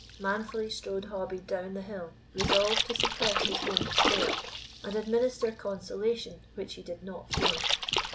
Manfully strode Hobbie down the hill, resolved to suppress his own despair, and administer consolation which he did not feel.